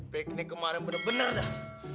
peknya kemarin bener bener dah